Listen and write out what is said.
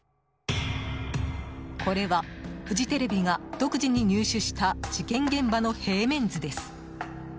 これはフジテレビが独自に入手した事件現場の平面図です。